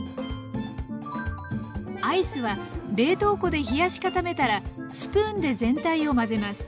アイスは冷凍庫で冷やし固めたらスプーンで全体を混ぜます。